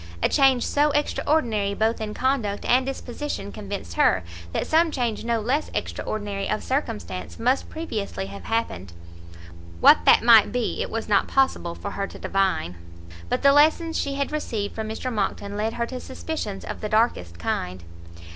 A change so extraordinary both in conduct and disposition convinced her that some change no less extra ordinary of circumstance must previously have happened; what that might be it was not possible for her to divine, but the lessons she had received from Mr Monckton led her to suspicions of the darkest kind.